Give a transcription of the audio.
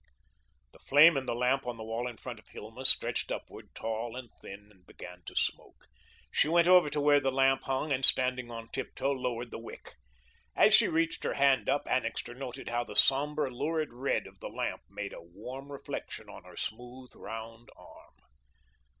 The flame in the lamp on the wall in front of Hilma stretched upward tall and thin and began to smoke. She went over to where the lamp hung and, standing on tip toe, lowered the wick. As she reached her hand up, Annixter noted how the sombre, lurid red of the lamp made a warm reflection on her smooth, round arm.